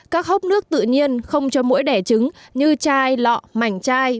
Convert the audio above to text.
các hốc nước tự nhiên không cho mũi đẻ trứng như chai lọ mảnh chai